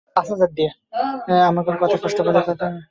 আমার কোন কথায় কষ্ট পেলে নাকি?